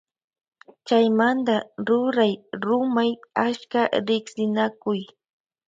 Chaymanta ruray rumay achka riksinakuy.